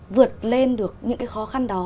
vượt lên được những khó khăn đó